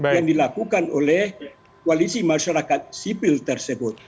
yang dilakukan oleh koalisi masyarakat sipil tersebut